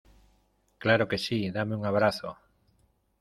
Claro que sí. Dame un abrazo .